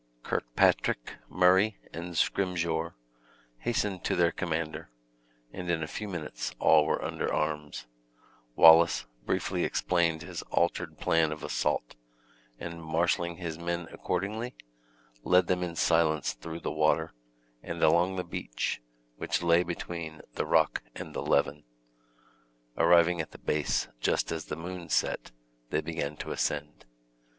Kirkpatrick, Murray, and Scrymgeour hastened to their commander; and in a few minutes all were under arms. Wallace briefly explained his altered plan of assault, and marshaling his men accordingly, led them in silence through the water, and along the beach, which lay between the rock and the Leven. Arriving at the base just as the moon set, they began to ascend.